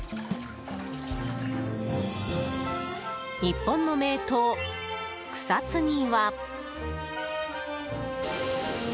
日本の名湯・草津には。